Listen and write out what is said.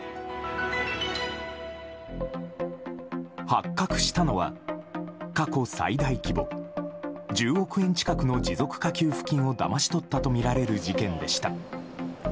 発覚したのは、過去最大規模１０億円近くの持続化給付金をだまし取ったとみられる事件でした。